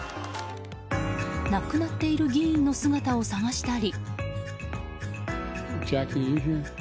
亡くなっている議員の姿を探したり。